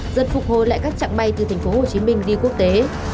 dần phục hồi lại các trạng bay từ tp hcm đi quốc tế